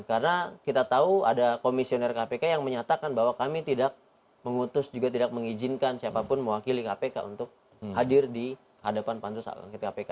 karena kita tahu ada komisioner kpk yang menyatakan bahwa kami tidak mengutus juga tidak mengizinkan siapapun mewakili kpk untuk hadir di hadapan pansus akanget kpk